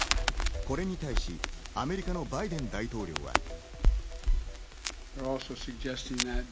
これに対し、アメリカのバイデン大統領は。